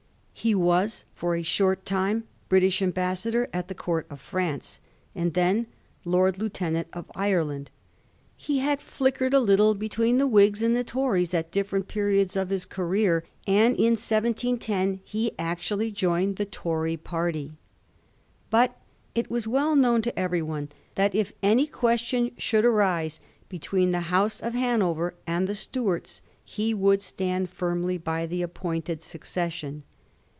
He was for a short time British Ambassador at the Court of France^ and then Lord Lieutenant of Ireland. He had flickered a little between the Whigs and the Tories at different periods of his career, and in 1710 he actually joined the Tory party. But it was well known to everyone that if any question should arise between the House of Hanover and the Stuarts, he would stand firmly by the appointed succession.